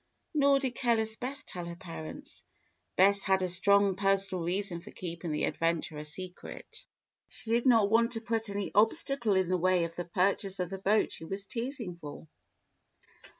Nor did careless Bess tell her parents. Bess had a strong personal reason for keeping the adventure a secret. She did not want to put any obstacle in the way of the purchase of the boat she was teasing for.